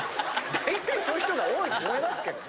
大体そういう人が多いと思いますけどね。